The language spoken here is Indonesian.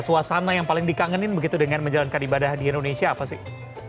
suasana yang paling dikangenin begitu dengan menjalankan ibadah di indonesia apa sih